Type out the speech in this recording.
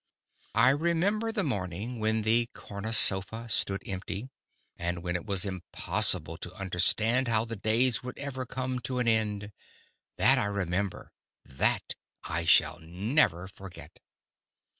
I remember the morning when the corner sofa stood empty and when it was impossible to understand how the days would ever come to an end. That I remember. That I shall never forget!